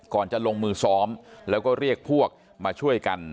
จะลงมือซ้อมแล้วก็เรียกพวกมาช่วยกัน